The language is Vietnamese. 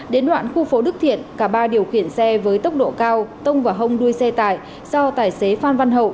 đến đoạn khu phố đức thiện cả ba điều khiển xe với tốc độ cao tông vào hông đuôi xe tải do tài xế phan văn hậu